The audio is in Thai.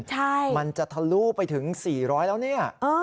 ใช่มันจะทะลุไปถึง๔๐๐แล้วเนี่ย